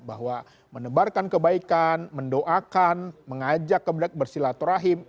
bahwa menebarkan kebaikan mendoakan mengajak kebelak bersilaturahim